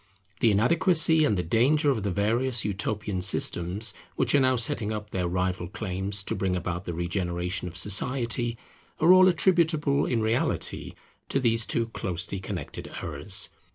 The inadequacy and the danger of the various utopian systems which are now setting up their rival claims to bring about the regeneration of society, are all attributable in reality to these two closely connected errors.